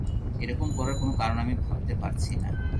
এরকম করার কোনো কারণ আমি ভাবতে পারছি না।